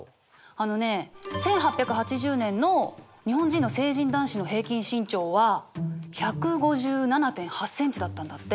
あのね１８８０年の日本人の成人男子の平均身長は１５７．８ｃｍだったんだって。